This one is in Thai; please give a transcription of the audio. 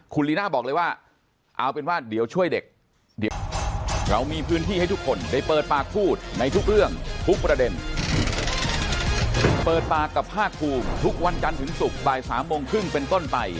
คุณลีน่าบอกเลยว่าเอาเป็นว่าเดี๋ยวช่วยเด็ก